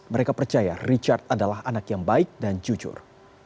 mereka percaya richard adalah anak yang baik dan jujur